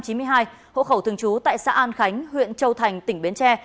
hộ khẩu thường trú tại xã an khánh huyện châu thành tỉnh bến tre